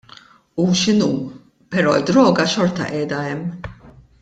Hu x'inhu però d-droga xorta qiegħda hemm.